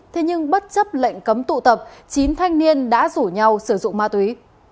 thế nhưng bất chấp lệnh cấm tụ tập chín thanh niên đã rủ nhau sử dụng ma túy